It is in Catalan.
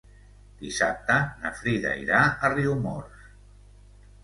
Dissabte na Frida irà a Riumors.